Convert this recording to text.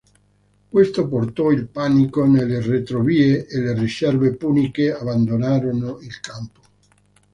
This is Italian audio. Questo portò il panico nelle retrovie e le riserve puniche abbandonarono il campo.